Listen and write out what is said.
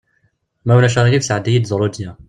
Ma ulac aɣilif sɛeddi-yi-d ẓrudya.